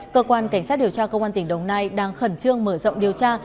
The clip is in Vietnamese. cơ quan cảnh sát điều tra công an tỉnh đồng nai đang khẩn trương mở rộng điều tra